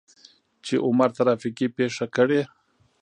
چې عمر ترافيکي پېښه کړى.